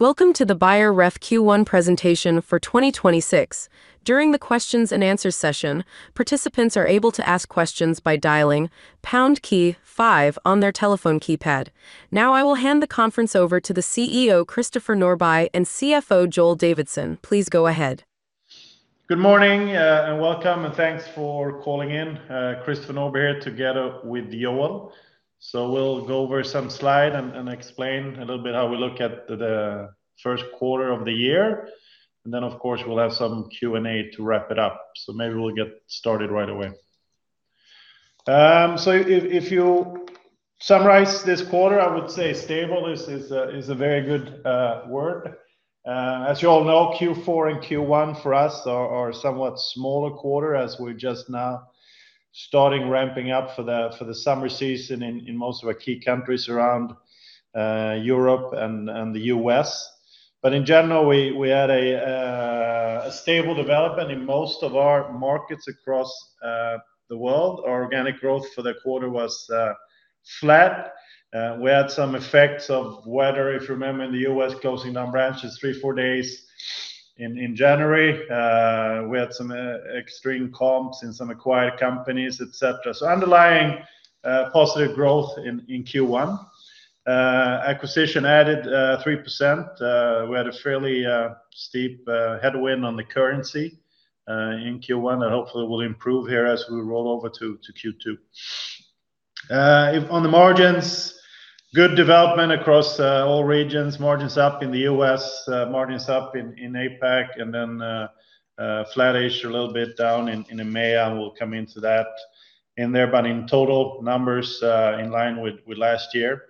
Welcome to the Beijer Ref Q1 presentation for 2026. During the questions and answers session, participants are able to ask questions by dialing pound key five on their telephone keypad. Now I will hand the conference over to the CEO, Christopher Norbye, and CFO, Joel Davidsson. Please go ahead. Good morning, and welcome, and thanks for calling in. Christopher Norbye here together with Joel. We'll go over some slides and explain a little bit how we look at the first quarter of the year. Then of course, we'll have some Q&A to wrap it up. Maybe we'll get started right away. If you summarize this quarter, I would say stable is a very good word. As you all know, Q4 and Q1 for us are a somewhat smaller quarter as we're just now starting ramping up for the summer season in most of our key countries around Europe and the U.S. In general, we had a stable development in most of our markets across the world. Our organic growth for the quarter was flat. We had some effects of weather, if you remember, in the U.S., closing down branches three or four days in January. We had some extreme comps in some acquired companies, et cetera. Underlying positive growth in Q1. Acquisition added 3%. We had a fairly steep headwind on the currency in Q1 that hopefully will improve here as we roll over to Q2. On the margins, good development across all regions. Margins up in the U.S., margins up in APAC, and then flat-ish or a little bit down in EMEA, and we'll come into that in there. In total, numbers in line with last year.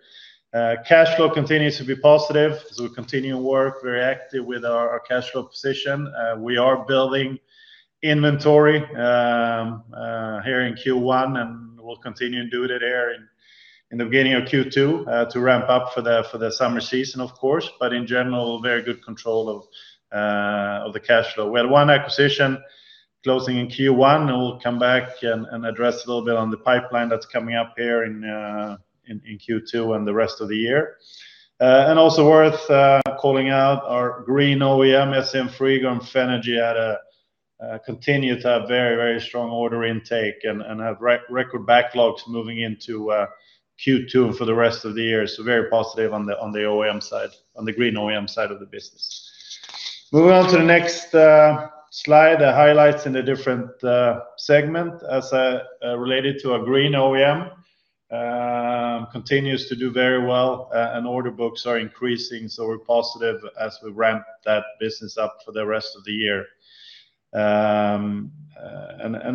Cash flow continues to be positive as we continue to work very active with our cash flow position. We are building inventory here in Q1, and we'll continue doing it here in the beginning of Q2 to ramp up for the summer season, of course. In general, very good control of the cash flow. We had one acquisition closing in Q1, and we'll come back and address a little bit on the pipeline that's coming up here in Q2 and the rest of the year. Also worth calling out our green OEM, SCM Frigo and Fenagy continue to have very, very strong order intake and have record backlogs moving into Q2 and for the rest of the year. Very positive on the OEM side, on the green OEM side of the business. Moving on to the next slide, the highlights in the different segment as related to our green OEM continues to do very well and order books are increasing, so we're positive as we ramp that business up for the rest of the year.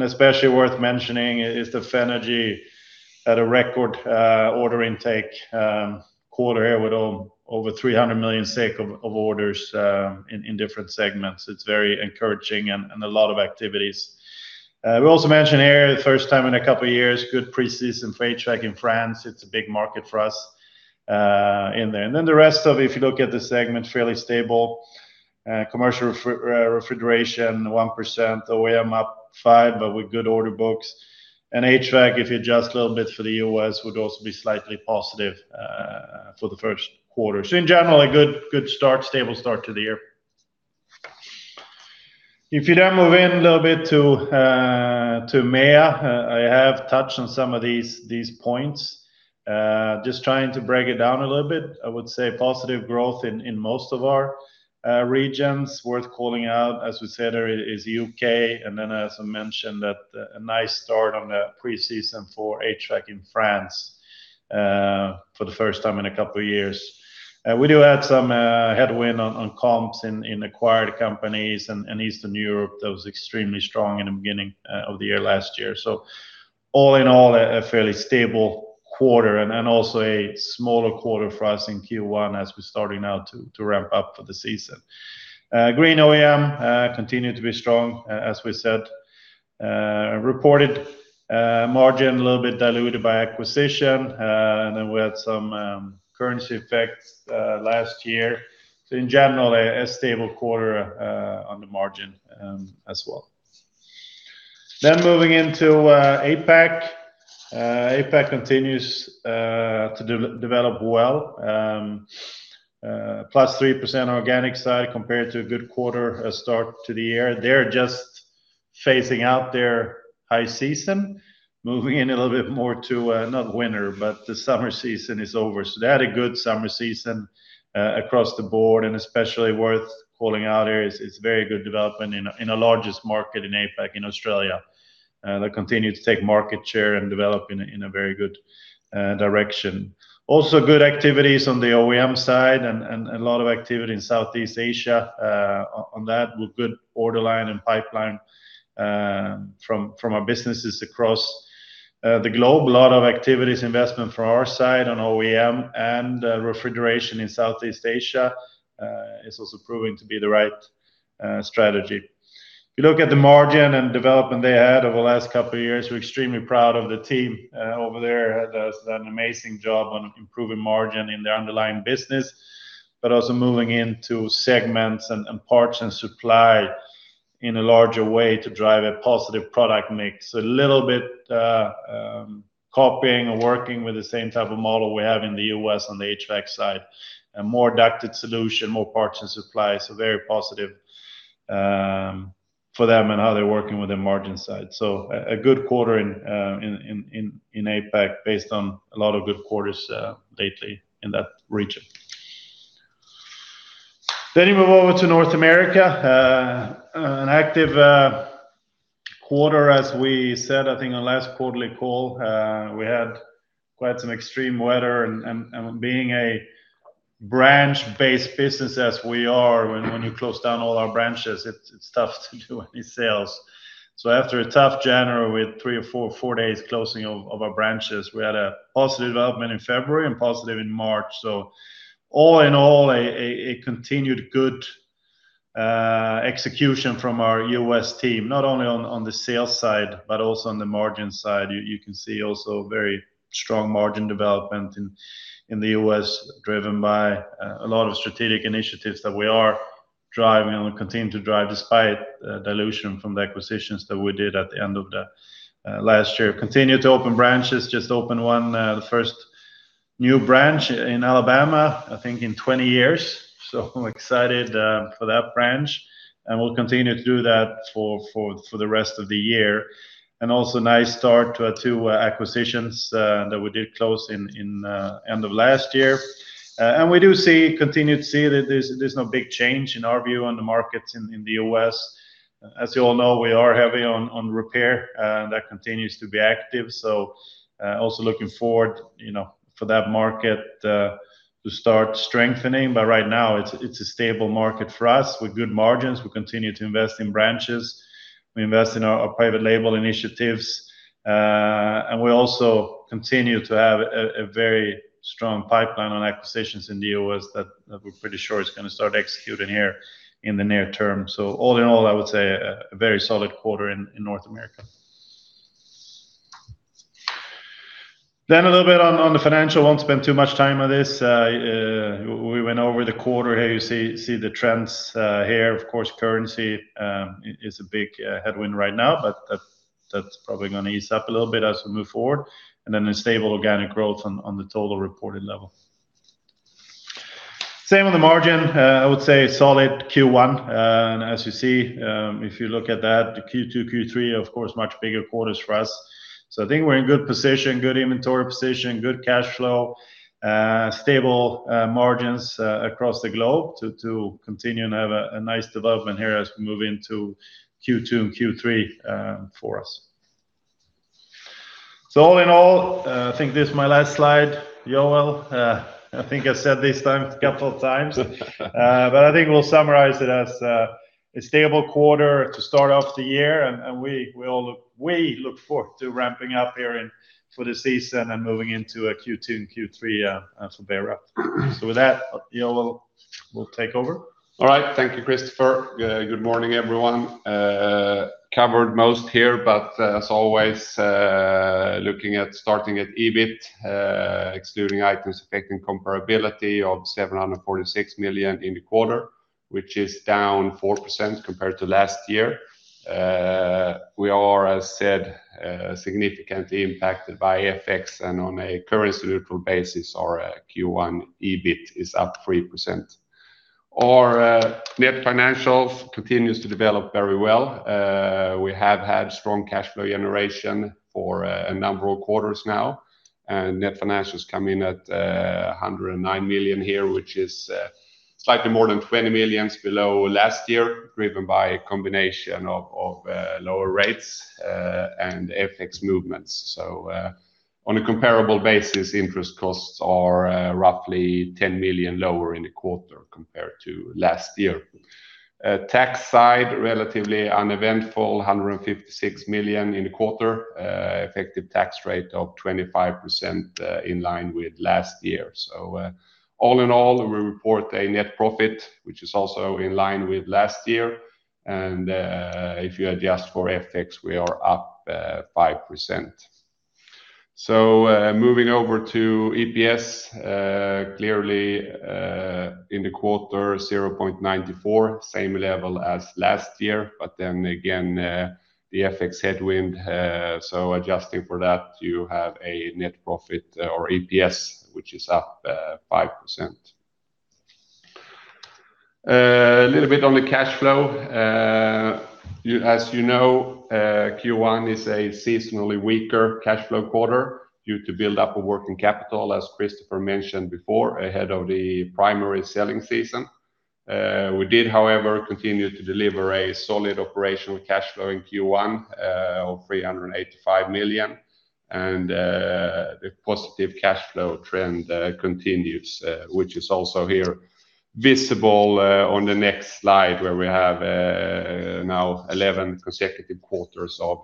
Especially worth mentioning is the Fenagy had a record order intake quarter here with over 300 million of orders in different segments. It's very encouraging and a lot of activities. We also mentioned here, the first time in a couple of years, good pre-season for HVAC in France. It's a big market for us in there. The rest of it, if you look at the segment, fairly stable. Commercial refrigeration, 1%, OEM up five but with good order books. HVAC, if you adjust a little bit for the U.S., would also be slightly positive for the first quarter. In general, a good start, stable start to the year. If you then move in a little bit to EMEA, I have touched on some of these points. Just trying to break it down a little bit, I would say positive growth in most of our regions. Worth calling out, as we said, is U.K., and then as I mentioned, a nice start on the pre-season for HVAC in France for the first time in a couple of years. We do have some headwind on comps in acquired companies and Eastern Europe that was extremely strong in the beginning of the year last year. All in all, a fairly stable quarter and also a smaller quarter for us in Q1 as we're starting now to ramp up for the season. Green OEM continued to be strong, as we said. Reported margin a little bit diluted by acquisition. We had some currency effects last year. In general, a stable quarter on the margin as well. Moving into APAC. APAC continues to develop well. +3% organic sales compared to a good quarter start to the year. They're just phasing out their high season, moving in a little bit more to not winter, but the summer season is over. They had a good summer season across the board, and especially worth calling out here is very good development in the largest market in APAC, in Australia. They continue to take market share and develop in a very good direction. Also good activities on the OEM side and a lot of activity in Southeast Asia on that with good order line and pipeline from our businesses across the globe. A lot of activities, investment from our side on OEM and refrigeration in Southeast Asia is also proving to be the right strategy. If you look at the margin and development they had over the last couple of years, we're extremely proud of the team over there. Has done an amazing job on improving margin in their underlying business, but also moving into segments and parts and supply in a larger way to drive a positive product mix. A little bit copying and working with the same type of model we have in the U.S. on the HVAC side. A more ducted solution, more parts and supplies, so very positive for them and how they're working with the margin side. A good quarter in APAC, based on a lot of good quarters lately in that region. You move over to North America. An active quarter, as we said, I think on last quarterly call, we had quite some extreme weather and being a branch-based business as we are, when you close down all our branches, it's tough to do any sales. After a tough January with three or four days closing of our branches, we had a positive development in February and positive in March. All in all, a continued good execution from our U.S. team, not only on the sales side, but also on the margin side. You can see also very strong margin development in the U.S., driven by a lot of strategic initiatives that we are driving and will continue to drive despite dilution from the acquisitions that we did at the end of last year. Continue to open branches, just opened one, the first new branch in Alabama, I think in 20 years. I'm excited for that branch and we'll continue to do that for the rest of the year. Also nice start to acquisitions that we did close at the end of last year. We do continue to see that there's no big change in our view on the markets in the U.S. As you all know, we are heavy on repair, and that continues to be active. Also looking forward for that market to start strengthening. Right now it's a stable market for us with good margins. We continue to invest in branches. We invest in our private label initiatives. We also continue to have a very strong pipeline on acquisitions in the U.S. that we're pretty sure is going to start executing here in the near term. All in all, I would say a very solid quarter in North America. A little bit on the financial. Won't spend too much time on this. We went over the quarter here. You see the trends here. Of course, currency is a big headwind right now, but that's probably going to ease up a little bit as we move forward. Then a stable organic growth on the total reported level. Same on the margin. I would say solid Q1. As you see, if you look at that, the Q2, Q3, of course, much bigger quarters for us. I think we're in good position, good inventory position, good cash flow, stable margins across the globe to continue to have a nice development here as we move into Q2 and Q3 for us. All in all, I think this is my last slide. Joel, I think I've said this a couple times. I think we'll summarize it as a stable quarter to start off the year, and we look forward to ramping up here for the season and moving into Q2 and Q3 for Beijer Ref. With that, Joel will take over. All right. Thank you, Christopher. Good morning, everyone. Covered most here, but as always, starting with EBIT, excluding items affecting comparability of 746 million in the quarter, which is down 4% compared to last year. We are, as said, significantly impacted by FX and on a currency-neutral basis, our Q1 EBIT is up 3%. Our net financials continues to develop very well. We have had strong cash flow generation for a number of quarters now, and net financials come in at 109 million here, which is slightly more than 20 million below last year, driven by a combination of lower rates and FX movements. On a comparable basis, interest costs are roughly 10 million lower in the quarter compared to last year. Tax side, relatively uneventful, 156 million in the quarter. Effective tax rate of 25% in line with last year. All in all, we report a net profit which is also in line with last year. If you adjust for FX, we are up 5%. Moving over to EPS, clearly, in the quarter, 0.94, same level as last year. Again, the FX headwind, so adjusting for that, you have a net profit or EPS which is up 5%. A little bit on the cash flow. As you know, Q1 is a seasonally weaker cash flow quarter due to build up of working capital, as Christopher mentioned before, ahead of the primary selling season. We did, however, continue to deliver a solid operational cash flow in Q1 of 385 million and the positive cash flow trend continues, which is also here visible on the next slide, where we have now 11 consecutive quarters of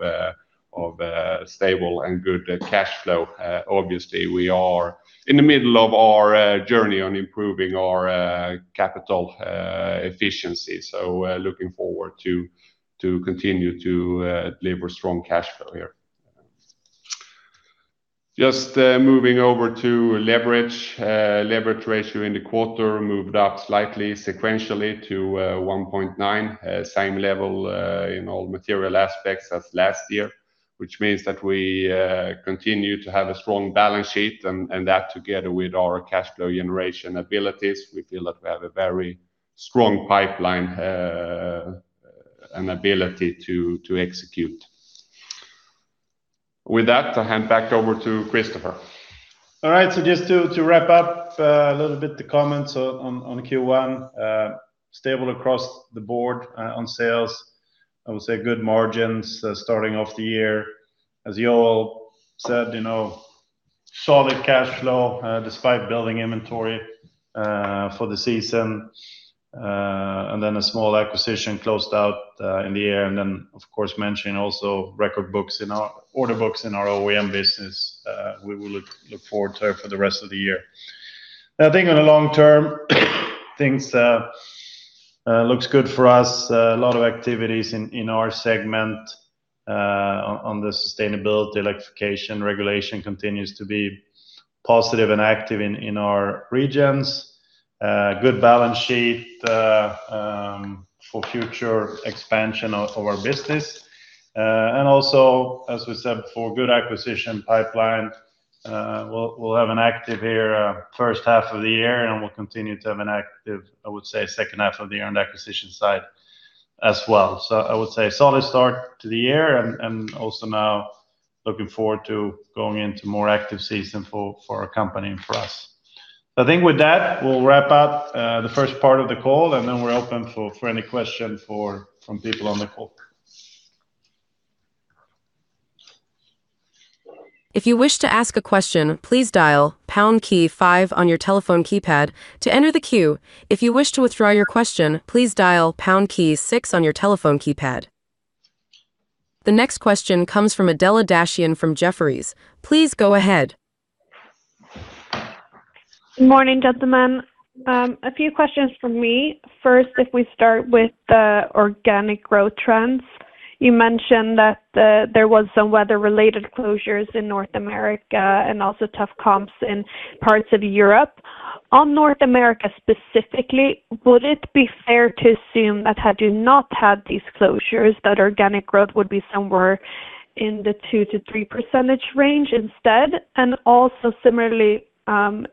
stable and good cash flow. Obviously, we are in the middle of our journey on improving our capital efficiency, so looking forward to continue to deliver strong cash flow here. Just moving over to leverage. Leverage ratio in the quarter moved up slightly sequentially to 1.90. Same level in all material aspects as last year, which means that we continue to have a strong balance sheet and that together with our cash flow generation abilities, we feel that we have a very strong pipeline and ability to execute. With that, I hand back over to Christopher Norbye. All right. Just to wrap up a little bit, the comments on Q1, stable across the board on sales. I would say good margins starting off the year. As you all said, solid cash flow despite building inventory for the season. Then a small acquisition closed out in the year. Then of course, mentioning also record order books in our OEM business, we will look forward to for the rest of the year. I think in the long term things looks good for us. A lot of activities in our segment on the sustainability electrification regulation continues to be positive and active in our regions. Good balance sheet for future expansion of our business. Also as we said before, good acquisition pipeline. We'll have an active first half of the year, and we'll continue to have an active, I would say, second half of the year on the acquisition side as well. I would say solid start to the year and also now looking forward to going into more active season for our company and for us. I think with that, we'll wrap up the first part of the call, and then we're open for any question from people on the call. The next question comes from Adela Dashian from Jefferies. Please go ahead. Good morning, gentlemen. A few questions from me. First, if we start with the organic growth trends. You mentioned that there was some weather-related closures in North America and also tough comps in parts of Europe. On North America specifically, would it be fair to assume that had you not had these closures, that organic growth would be somewhere in the 2%-3% range instead? And also similarly,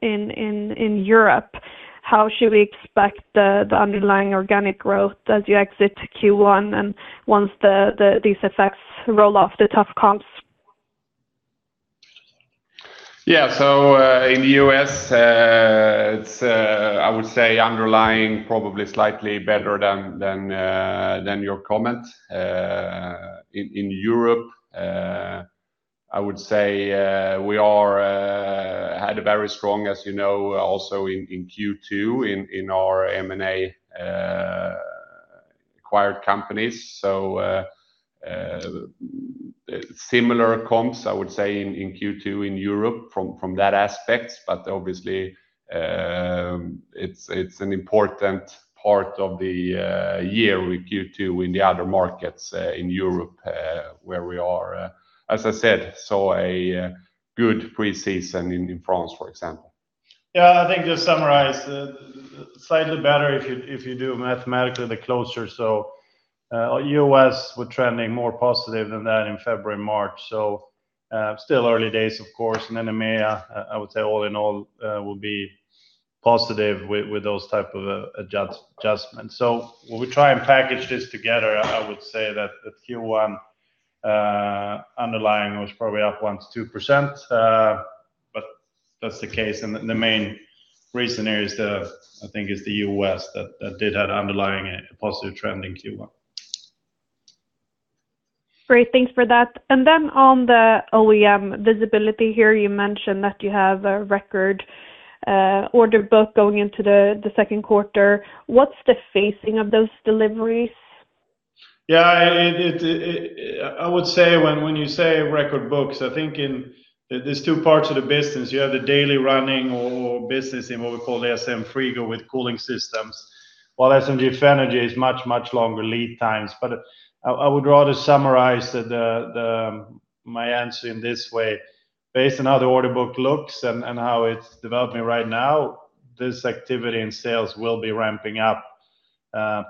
in Europe, how should we expect the underlying organic growth as you exit Q1 and once these effects roll off the tough comps? In the U.S., it's, I would say underlying probably slightly better than your comment. In Europe, I would say we had a very strong, as you know, also in Q2 in our M&A acquired companies. Similar comps, I would say in Q2 in Europe from that aspect. Obviously, it's an important part of the year with Q2 in the other markets, in Europe, where we are. As I said, we saw a good pre-season in France, for example. Yeah, I think just summarize, slightly better if you do mathematically the closure. U.S. was trending more positive than that in February, March. Still early days of course. EMEA, I would say all in all, will be positive with those type of adjustments. When we try and package this together, I would say that Q1 underlying was probably up 1%-2%, but that's the case. The main reason there is the, I think it's the U.S. that did have underlying positive trend in Q1. Great. Thanks for that. On the OEM visibility here, you mentioned that you have a record order book going into the second quarter. What's the phasing of those deliveries? Yeah. I would say when you say order books, I think there's two parts of the business. You have the daily running or business in what we call SCM Frigo with cooling systems, while Fenagy is much, much longer lead times. I would rather summarize my answer in this way. Based on how the order book looks and how it's developing right now, this activity in sales will be ramping up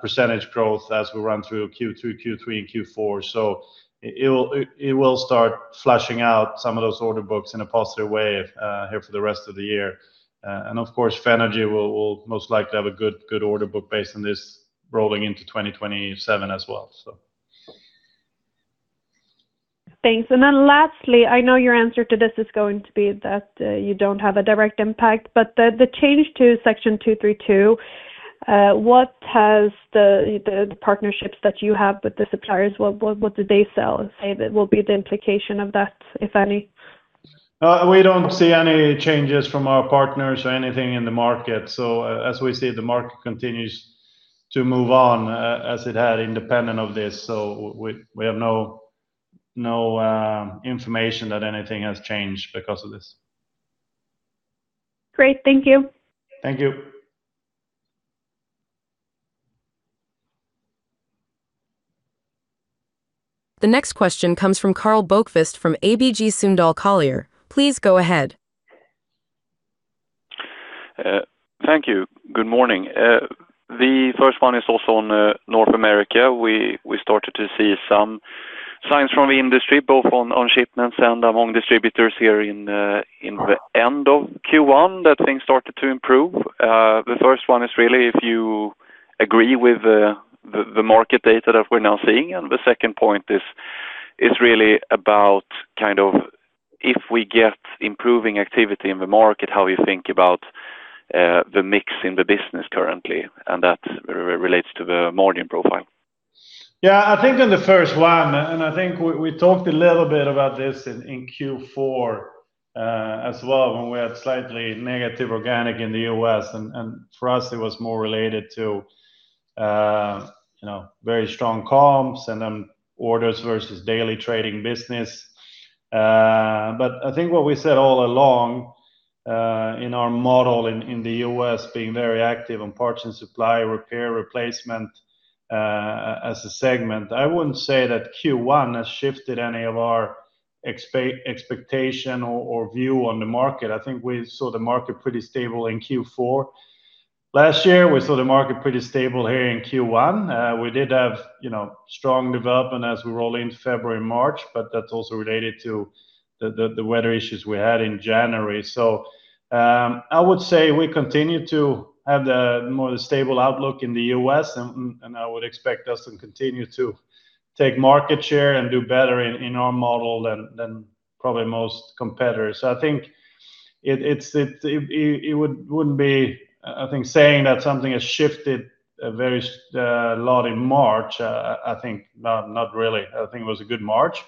percentage growth as we run through Q2, Q3, and Q4. It will start flushing out some of those order books in a positive way here for the rest of the year. Of course, Fenagy will most likely have a good order book based on this rolling into 2027 as well. Thanks. Lastly, I know your answer to this is going to be that you don't have a direct impact, but the change to Section 232, what has the partnerships that you have with the suppliers, what do they sell and say that will be the implication of that, if any? We don't see any changes from our partners or anything in the market. As we see, the market continues to move on as it had independent of this. We have no information that anything has changed because of this. Great. Thank you. Thank you. The next question comes from Karl Bokvist from ABG Sundal Collier. Please go ahead. Thank you. Good morning. The first one is also on North America. We started to see some signs from the industry, both on shipments and among distributors here in the end of Q1 that things started to improve. The first one is really if you agree with the market data that we're now seeing. The second point is really about if we get improving activity in the market, how you think about the mix in the business currently, and that relates to the margin profile. Yeah, I think in the first one, and I think we talked a little bit about this in Q4 as well, when we had slightly negative organic in the U.S. For us it was more related to very strong comps and then orders versus daily trading business. I think what we said all along, in our model in the U.S. being very active on parts and supply, repair, replacement, as a segment. I wouldn't say that Q1 has shifted any of our expectation or view on the market. I think we saw the market pretty stable in Q4 last year. We saw the market pretty stable here in Q1. We did have strong development as we roll into February, March, but that's also related to the weather issues we had in January. I would say we continue to have the more stable outlook in the U.S., and I would expect us to continue to take market share and do better in our model than probably most competitors. I think it wouldn't be, I think, saying that something has shifted a lot in March. I think not really. I think it was a good March.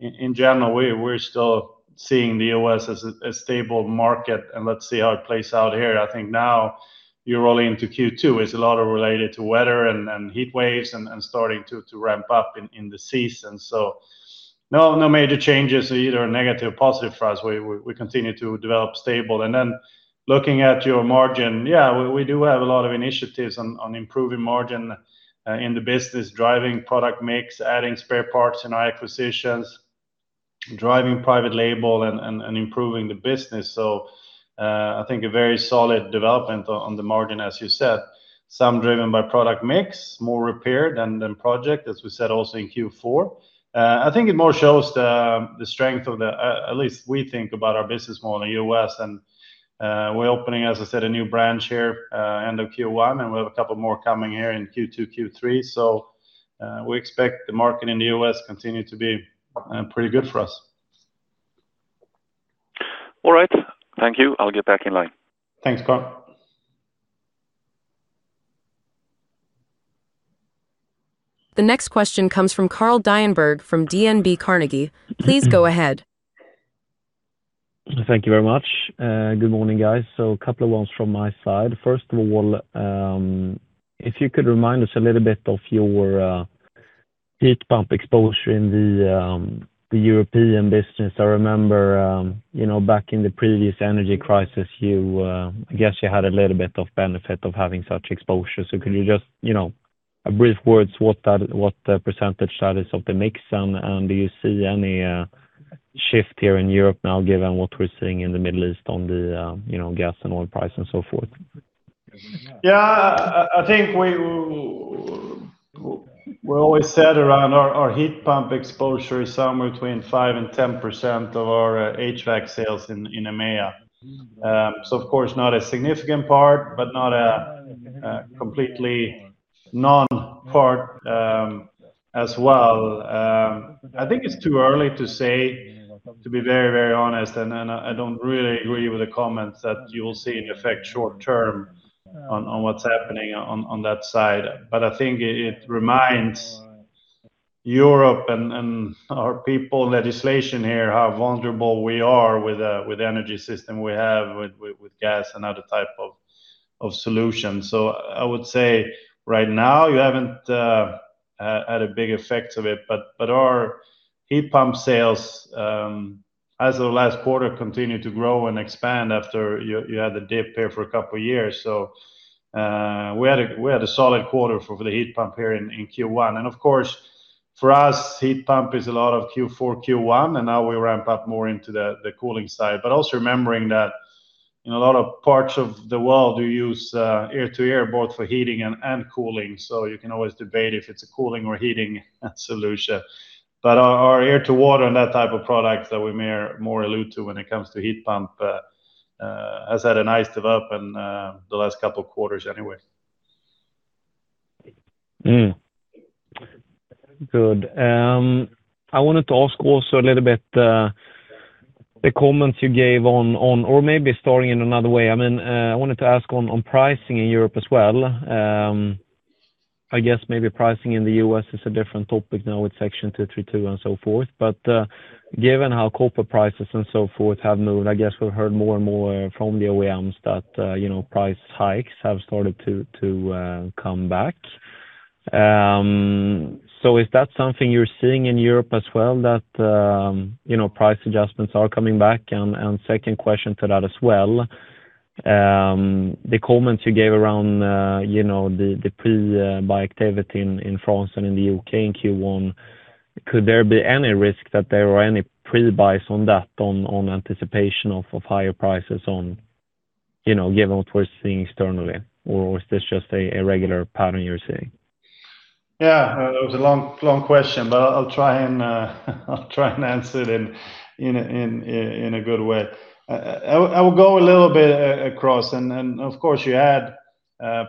In general, we're still seeing the U.S. as a stable market and let's see how it plays out here. I think now you're rolling into Q2, it's a lot of related to weather and heat waves and starting to ramp up in the season. No major changes either negative or positive for us. We continue to develop stable. Looking at your margin, yeah, we do have a lot of initiatives on improving margin in the business, driving product mix, adding spare parts in our acquisitions, driving private label, and improving the business. I think a very solid development on the margin, as you said, some driven by product mix, more repair and then project, as we said also in Q4. I think it more shows the strength of the, at least we think about our business model in U.S. and, we're opening, as I said, a new branch here, end of Q1, and we have a couple more coming here in Q2, Q3. We expect the market in the U.S. continue to be pretty good for us. All right. Thank you. I'll get back in line. Thanks, Karl. The next question comes from Carl Deijenberg from DNB Carnegie. Please go ahead. Thank you very much. Good morning, guys. A couple of ones from my side. First of all, if you could remind us a little bit of your heat pump exposure in the European business. I remember back in the previous energy crisis. I guess you had a little bit of benefit of having such exposure. Could you just, brief words what the percentage that is of the mix? Do you see any shift here in Europe now given what we're seeing in the Middle East on the gas and oil price and so forth? Yeah, I think we always said around our heat pump exposure is somewhere between 5%-10% of our HVAC sales in EMEA. Of course, not a significant part, but not a completely no part as well. I think it's too early to say, to be very honest, and I don't really agree with the comments that you will see an effect short term on what's happening on that side. I think it reminds Europe and our policymakers here, how vulnerable we are with the energy system we have with gas and other type of solutions. I would say right now we haven't had a big effect from it. Our heat pump sales, as of last quarter, continued to grow and expand after we had the dip here for a couple of years. We had a solid quarter for the heat pump here in Q1. Of course, for us, heat pump is a lot of Q4, Q1, and now we ramp up more into the cooling side. Also remembering that in a lot of parts of the world, you use air-to-air both for heating and cooling. You can always debate if it's a cooling or heating solution. Our air-to-water and that type of product that we mainly allude to when it comes to heat pump has had a nice development the last couple quarters anyway. Good. I wanted to ask on pricing in Europe as well. I guess maybe pricing in the U.S. is a different topic now with Section 232 and so forth. Given how corporate prices and so forth have moved, I guess we've heard more and more from the OEMs that price hikes have started to come back. Is that something you're seeing in Europe as well that price adjustments are coming back? Second question to that as well, the comments you gave around the pre-buy activity in France and in the U.K. in Q1. Could there be any risk that there were any pre-buys on that, on anticipation of higher prices given what we're seeing externally? Or is this just a regular pattern you're seeing? Yeah. That was a long question, but I'll try and answer it in a good way. I will go a little bit across and of course you add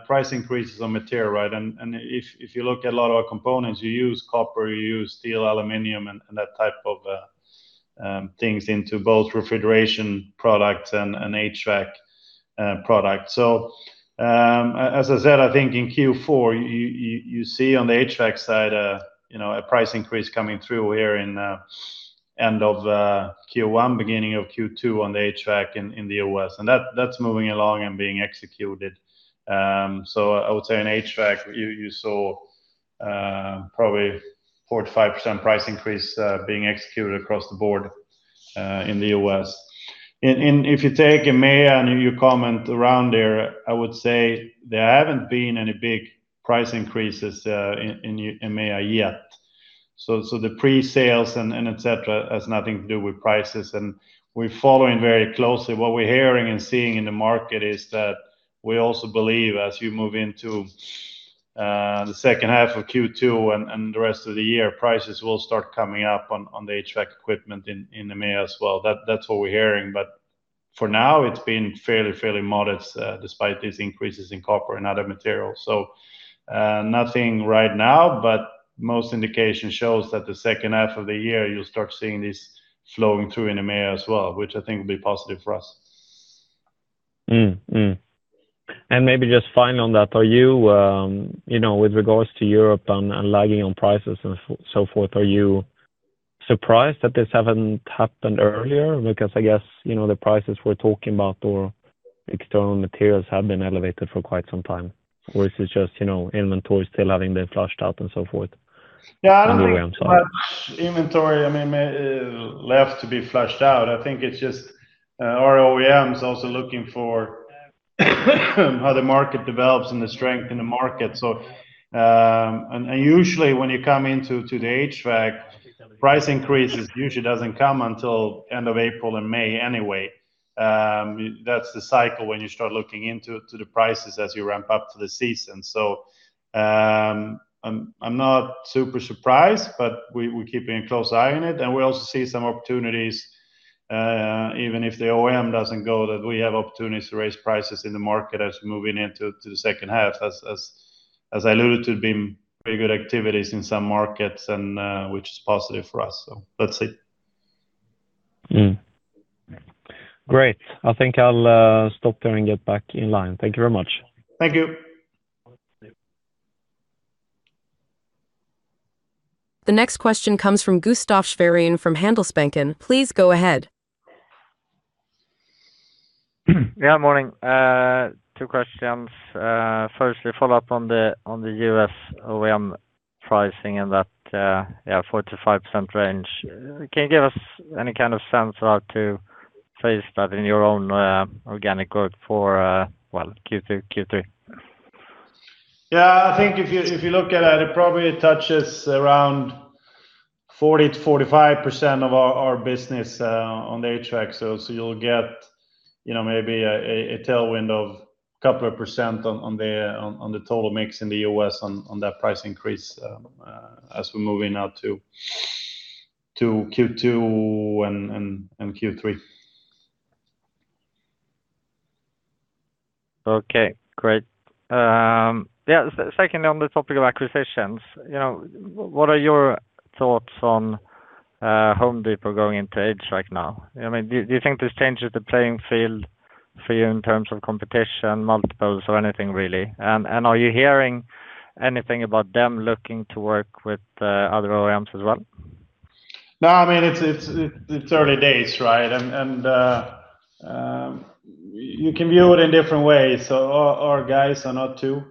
price increases on material, right? If you look at a lot of our components, you use copper, you use steel, aluminum, and that type of things into both refrigeration products and HVAC products. As I said, I think in Q4 you see on the HVAC side a price increase coming through here in end of Q1, beginning of Q2 on the HVAC in the US. That's moving along and being executed. I would say in HVAC, you saw probably 45% price increase being executed across the board, in the US. If you take EMEA and your comment around there, I would say there haven't been any big price increases in EMEA yet. The pre-sales and et cetera has nothing to do with prices. We're following very closely. What we're hearing and seeing in the market is that we also believe as you move into the second half of Q2 and the rest of the year, prices will start coming up on the HVAC equipment in EMEA as well. That's what we're hearing. For now it's been fairly modest, despite these increases in copper and other materials. Nothing right now, but most indication shows that the second half of the year, you'll start seeing this flowing through in EMEA as well, which I think will be positive for us. Maybe just final on that, with regards to Europe and lagging on prices and so forth, are you surprised that this haven't happened earlier? Because I guess, the prices we're talking about or external materials have been elevated for quite some time. Or is it just, inventory still having been flushed out and so forth? Yeah, I don't think much inventory, I mean, left to be flushed out. I think it's just our OEMs also looking for how the market develops and the strength in the market. Usually when you come into the HVAC, price increases usually doesn't come until end of April and May anyway. That's the cycle when you start looking into the prices as you ramp up to the season. I'm not super surprised, but we're keeping a close eye on it, and we also see some opportunities, even if the OEM doesn't go, that we have opportunities to raise prices in the market as we're moving into the second half. As I alluded to, been pretty good activities in some markets, and which is positive for us. Let's see. Great. I think I'll stop there and get back in line. Thank you very much. Thank you. The next question comes from Gustaf Schwerin from Handelsbanken. Please go ahead. Morning. Two questions. First, follow up on the U.S. OEM pricing and that 45% range. Can you give us any kind of sense about the pace that in your own organic growth for, well, Q2, Q3? Yeah, I think if you look at it probably touches around 40%-45% of our business on the HVAC. You'll get maybe a tailwind of a couple of percent on the total mix in the U.S. on that price increase as we're moving out to Q2 and Q3. Okay. Great. Yeah, second on the topic of acquisitions, what are your thoughts on Home Depot going into HVAC now? Do you think this changes the playing field for you in terms of competition, multiples or anything really? Are you hearing anything about them looking to work with other OEMs as well? No, it's early days, right? You can view it in different ways. Our guys are not too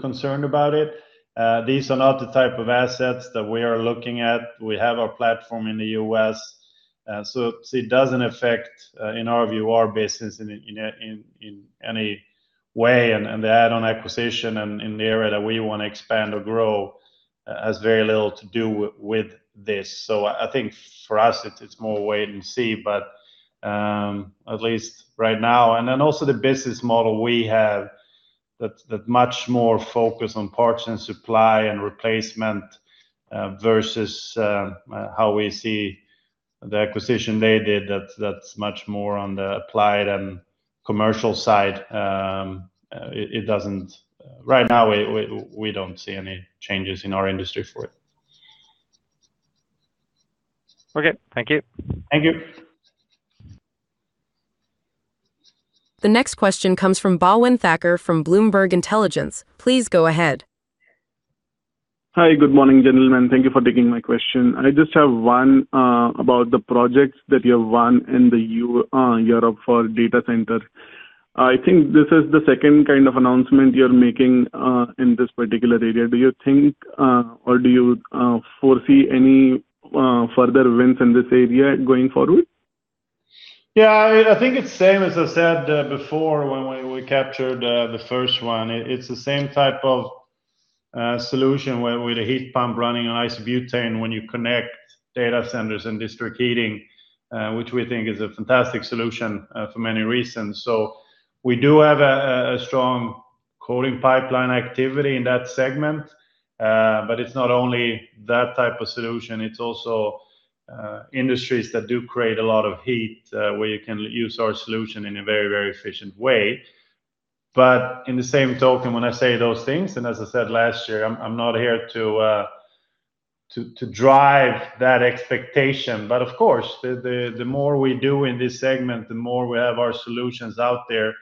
concerned about it. These are not the type of assets that we are looking at. We have our platform in the U.S., so it doesn't affect, in our view, our business in any way. The add-on acquisition and in the area that we want to expand or grow has very little to do with this. I think for us it's more wait and see. At least right now. Then also the business model we have that much more focus on parts and supply and replacement, versus how we see the acquisition they did that's much more on the applied and commercial side. Right now, we don't see any changes in our industry for it. Okay. Thank you. Thank you. The next question comes from Karan Thakkar from Bloomberg Intelligence. Please go ahead. Hi. Good morning, gentlemen. Thank you for taking my question. I just have one about the projects that you have won in Europe for data centers. I think this is the second kind of announcement you're making in this particular area. Do you think, or do you foresee any further wins in this area going forward? Yeah, I think it's the same as I said before, when we captured the first one. It's the same type of solution where, with a heat pump running on isobutane, when you connect data centers and district heating, which we think is a fantastic solution for many reasons. We do have a strong cooling pipeline activity in that segment. It's not only that type of solution, it's also industries that do create a lot of heat, where you can use our solution in a very efficient way. In the same token, when I say those things, and as I said last year, I'm not here to drive that expectation. Of course, the more we do in this segment, the more we have our solutions out there,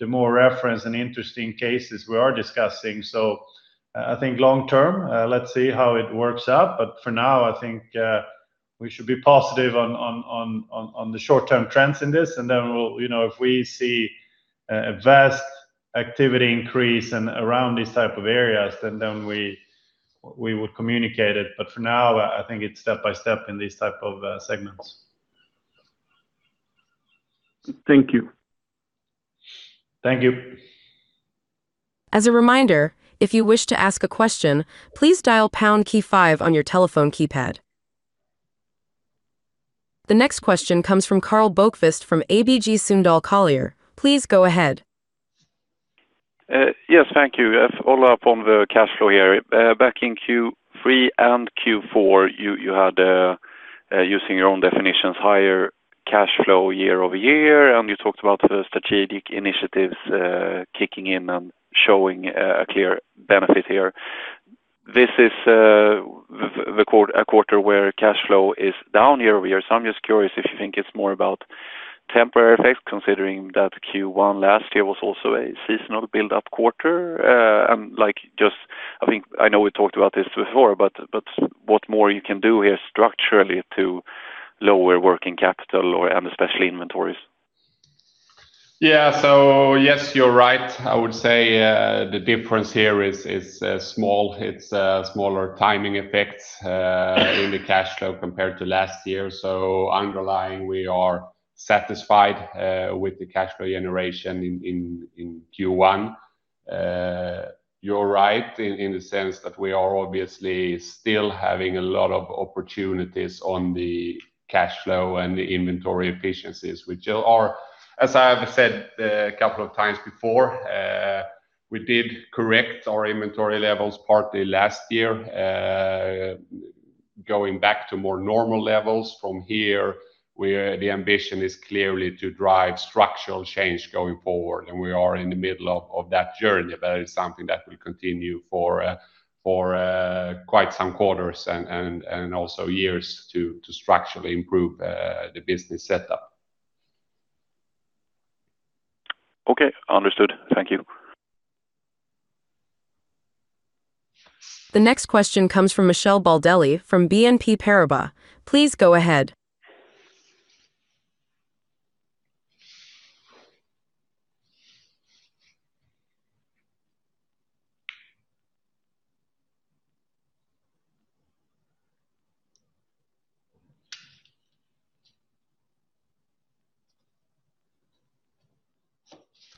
the more reference and interesting cases we are discussing. I think long-term, let's see how it works out. For now, I think we should be positive on the short-term trends in this, and then if we see a vast activity increase around these type of areas, then we would communicate it. For now, I think it's step-by-step in these type of segments. Thank you. Thank you. As a reminder, if you wish to ask a question, please dial pound key five on your telephone keypad. The next question comes from Karl Bokvist from ABG Sundal Collier. Please go ahead. Yes, thank you, on the cash flow here. Back in Q3 and Q4, you had, using your own definitions, higher cash flow year-over-year, and you talked about the strategic initiatives kicking in and showing a clear benefit here. This is a quarter where cash flow is down year-over-year. I'm just curious if you think it's more about temporary effects, considering that Q1 last year was also a seasonal build-up quarter. I know we talked about this before, but what more you can do here structurally to lower working capital and especially inventories? Yeah. Yes, you're right. I would say the difference here is small. It's smaller timing effects in the cash flow compared to last year. Underlying, we are satisfied with the cash flow generation in Q1. You're right in the sense that we are obviously still having a lot of opportunities on the cash flow and the inventory efficiencies, which are, as I have said a couple of times before, we did correct our inventory levels partly last year, going back to more normal levels from here, where the ambition is clearly to drive structural change going forward. We are in the middle of that journey, but it's something that will continue for quite some quarters and also years to structurally improve the business setup. Okay, understood. Thank you. The next question comes from Michele Baldelli from BNP Paribas. Please go ahead.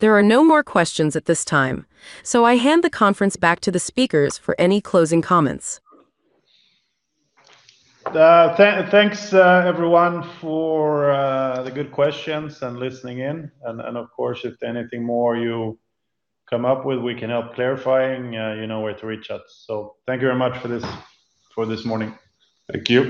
There are no more questions at this time. I hand the conference back to the speakers for any closing comments. Thanks everyone for the good questions and listening in. Of course, if there's anything more you come up with, we can help clarifying, you know where to reach us. Thank you very much for this morning. Thank you.